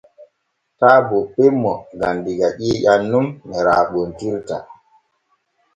Taa bonpen mo gam diga ƴiiƴan nun ne raaɓontirta.